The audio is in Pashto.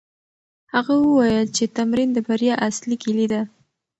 هغه وویل چې تمرين د بریا اصلي کیلي ده.